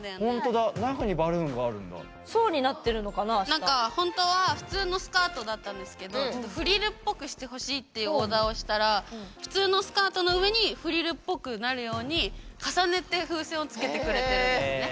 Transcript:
何かほんとは普通のスカートだったんですけどちょっとフリルっぽくしてほしいっていうオーダーをしたら普通のスカートの上にフリルっぽくなるように重ねて風船を付けてくれてるんですね。